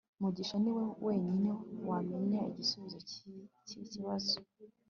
mugisha niwe wenyine wamenya igisubizo cyiki kibazo